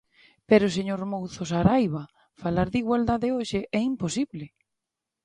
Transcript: Pero, señor Mouzo Saraiba, falar de igualdade hoxe é imposible.